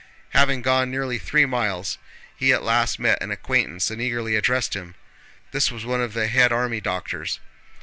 Having gone nearly three miles he at last met an acquaintance and eagerly addressed him. This was one of the head army doctors.